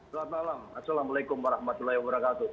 selamat malam assalamualaikum wr wb